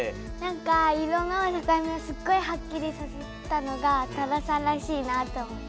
色の境目をすっごいはっきりさせたのが多田さんらしいなと思って。